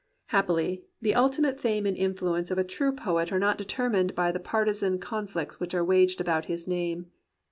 Happily, the ultimate fame and influence of a true poet are not determined by the partizan con flicts which are waged about his name.